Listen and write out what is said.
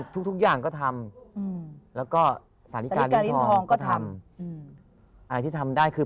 ทุกอย่างก็ทำแล้วก็สาธิกาเหรียญทองก็ทำอะไรที่ทำได้คือ